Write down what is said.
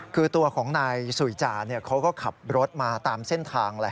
คือตัวของนายสุยจาเนี่ยเขาก็ขับรถมาตามเส้นทาง